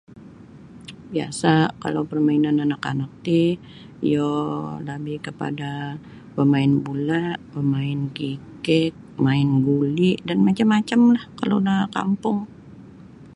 Biasa kalau permainan anak anak ti iyo lebih kepada bamain bola bamain kikik main guli dan macam-macam lah kalau da kampung.